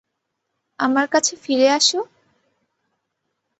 আমার কাছে ফিরে আসো!